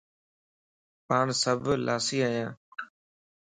پاڻ سڀ لاسي ايان